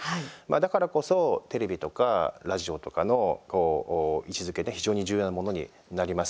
だからこそ、テレビとかラジオとかの位置づけが非常に重要なものになります。